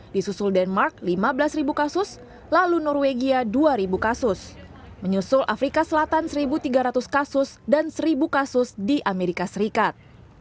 di susul denmark lima belas kasus lalu norwegia dua kasus menyusul afrika selatan satu tiga ratus kasus dan seribu kasus di amerika serikat